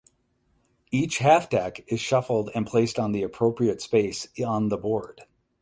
Each half deck is shuffled and placed on the appropriate space on the board.